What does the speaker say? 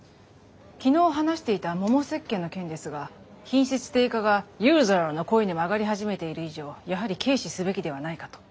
昨日話していたもも石鹸の件ですが品質低下がユーザーの声にも上がり始めている以上やはり軽視すべきではないかと。